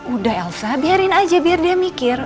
udah elsa biarin aja biar dia mikir